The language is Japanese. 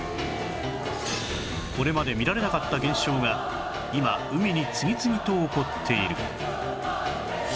これまで見られなかった現象が今海に次々と起こっている